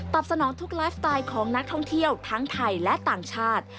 สนองทุกไลฟ์สไตล์ของนักท่องเที่ยวทั้งไทยและต่างชาติ